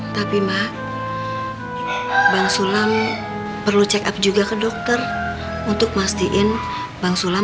tapi mbak bang sulam perlu check up juga ke dokter untuk mastiin bang sulam